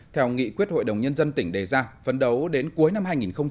theo nghị quyết hội đồng nhân dân tỉnh đề ra phấn đấu đến cuối năm hai nghìn hai mươi